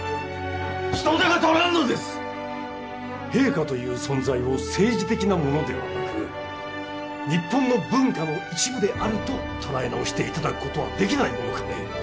人手が足らんのです陛下という存在を政治的なものではなく日本の文化の一部であると捉え直していただくことはできないものかね